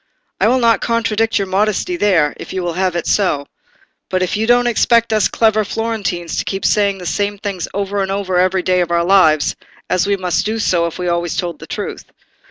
"I will not contradict your modesty there, if you will have it so; but you don't expect us clever Florentines to keep saying the same things over again every day of our lives, as we must do if we always told the truth.